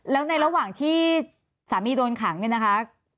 แล้วในระหว่างที่สามีโดนขังเนี่ยนะคะ